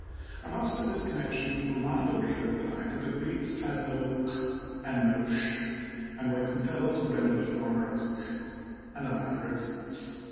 I must in this connection remind the reader of the fact that the Greeks had no q and no sh, and were compelled to render the former as k and the latter as s.